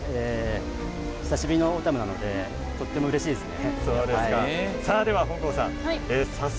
すごい久しぶりのことなのでとてもうれしいですね。